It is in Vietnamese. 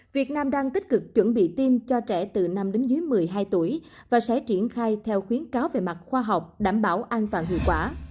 việt nam đang tích cực chuẩn bị tiêm cho trẻ từ năm đến dưới một mươi hai tuổi và sẽ triển khai theo khuyến cáo về mặt khoa học đảm bảo an toàn hiệu quả